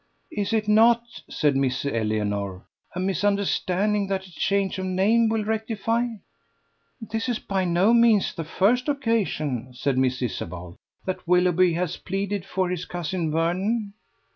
"Is it not," said Miss Eleanor, "a misunderstanding that a change of names will rectify?" "This is by no means the first occasion," said Miss Isabel, "that Willoughby has pleaded for his cousin Vernon."